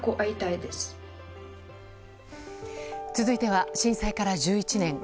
続いては震災から１１年「＃